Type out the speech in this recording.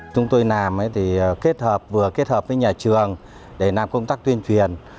chúng tôi làm kết hợp vừa kết hợp với nhà trường để làm công tác tuyên truyền